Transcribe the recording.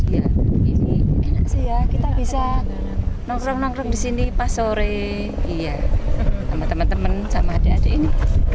ya ini enak sih ya kita bisa nongkrong nongkrong di sini pas sore sama teman teman sama adik adik ini